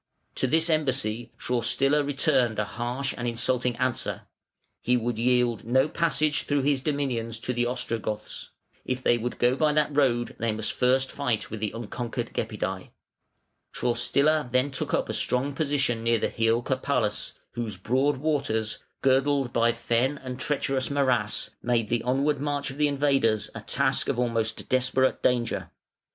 To this embassy Traustila returned a harsh and insulting answer: "He would yield no passage through his dominions to the Ostrogoths; if they would go by that road they must first fight with the unconquered Gepidæ" Traustila then took up a strong position near the Hiulca Palus, whose broad waters, girdled by fen and treacherous morass, made the onward march of the invaders a task of almost desperate danger.